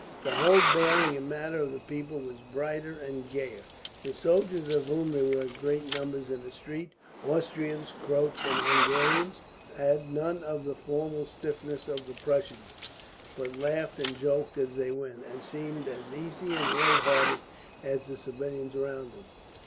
The whole bearing and manner of the people was brighter, and gayer. The soldiers, of whom there were great numbers in the streets Austrians, Croats, and Hungarians had none of the formal stiffness of the Prussians, but laughed and joked as they went, and seemed as easy and light hearted as the civilians around them.